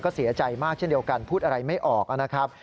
ก็เสียใจมากเช่นเดียวกันพูดอะไรไม่ออกนะครับ